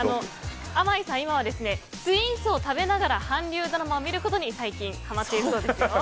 あまいさんは今はスイーツを食べながら韓流ドラマを見ることにハマっているそうですよ。